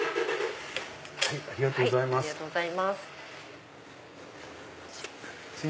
ありがとうございます。